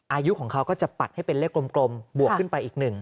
อายุของเขาก็จะปัดให้เป็นเลขกลมบวกขึ้นไปอีก๑